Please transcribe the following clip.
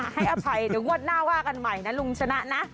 ให้อภัยเดี๋ยวงวดหน้าว่ากันใหม่นะลุงชนะนะ